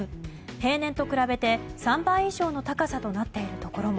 平年と比べて３倍以上の高さとなっているところも。